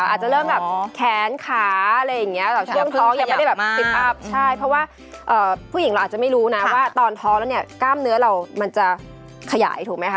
อาจจะเริ่มแบบแขนขาอะไรอย่างเงี้ยแต่ช่วงท้องยังไม่ได้แบบติดอัพใช่เพราะว่าผู้หญิงเราอาจจะไม่รู้นะว่าตอนท้องแล้วเนี่ยกล้ามเนื้อเรามันจะขยายถูกไหมคะ